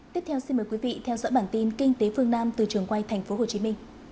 tiếp theo xin mời quý vị theo dõi bản tin kinh tế phương nam từ trường quay tp hcm